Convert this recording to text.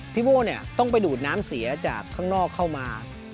โบ้ต้องไปดูดน้ำเสียจากข้างนอกเข้ามา